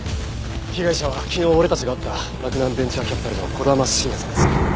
被害者は昨日俺たちが会った洛南ベンチャーキャピタルの児玉慎也さんです。